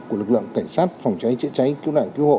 của lực lượng cảnh sát phòng cháy chữa cháy cứu nạn cứu hộ